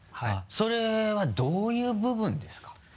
それはどういう部分ですか？